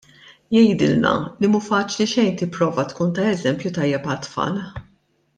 Jgħidilna li mhu faċli xejn tipprova tkun ta' eżempju tajjeb għat-tfal.